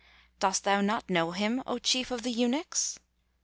Dost thou not know him, O Chief of the Eunuchs?"